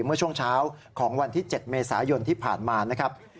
เมื่อช่วงเช้าของวันที่๗เมษายนที่ผ่านมานะครับ